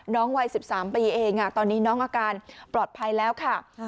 วัย๑๓ปีเองตอนนี้น้องอาการปลอดภัยแล้วค่ะ